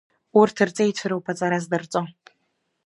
Урҭ рҵеицәа роуп аҵара здырҵо.